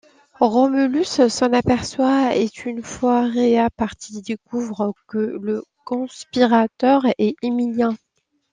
Romulus s'en aperçoit et une fois Rea partie découvre que le conspirateur est Emilien.